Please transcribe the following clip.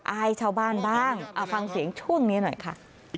อายชาวบ้านบ้างฟังเสียงช่วงนี้หน่อยค่ะ